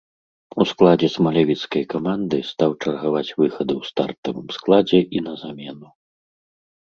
У складзе смалявіцкай каманды стаў чаргаваць выхады ў стартавым складзе і на замену.